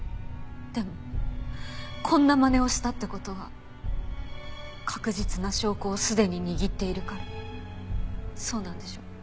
でもこんなまねをしたって事は確実な証拠をすでに握っているからそうなんでしょ？